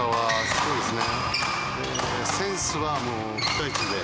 そうですね。